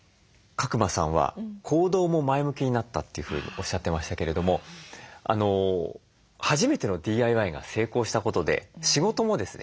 鹿熊さんは「行動も前向きになった」というふうにおっしゃってましたけれども初めてのＤＩＹが成功したことで仕事もですね